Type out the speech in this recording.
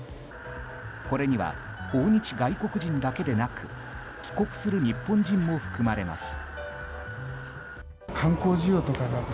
これには、訪日外国人だけでなく帰国する日本人も含まれます。